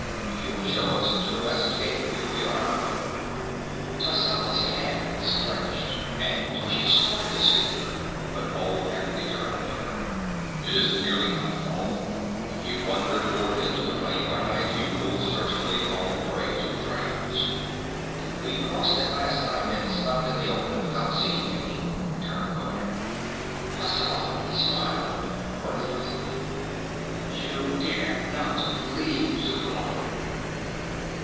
If you'll show us to the west gate, we'll be on our way." Tascela's hands clenched, and she started to speak, but Olmec interrupted her: "It is nearly nightfall. If you wander forth into the plain by night, you will certainly fall prey to the dragons." "We crossed it last night, and slept in the open without seeing any," returned Conan. Tascela smiled mirthlessly. "You dare not leave Xuchotl!"